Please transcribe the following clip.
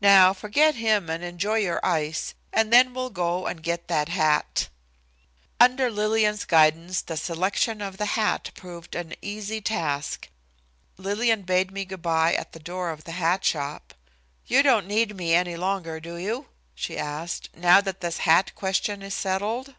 Now forget him and enjoy your ice, and then we'll go and get that hat." Under Lillian's guidance the selection of the hat proved an easy task. Lillian bade me good by at the door of the hat shop. "You don't need me any longer, do you?" she asked, "now that this hat question is settled?"